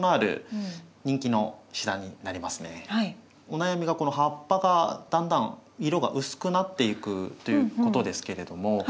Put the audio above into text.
お悩みがこの葉っぱがだんだん色が薄くなっていくということですけれども。